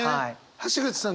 橋口さん